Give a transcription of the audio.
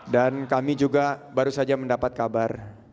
dan kami juga baru saja mendapat kabar